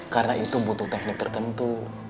karena itu butuh teknik tertentu